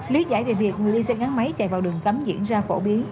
lý giải về việc người đi xe ngắn máy chạy vào đường cấm diễn ra phổ biến